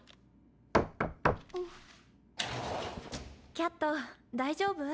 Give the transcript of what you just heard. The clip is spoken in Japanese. キャット大丈夫？